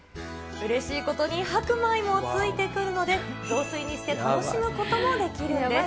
うれしいことに白米も付いてくるので、雑炊にして楽しむこともできるんです。